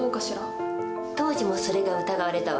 当時もそれが疑われたわ。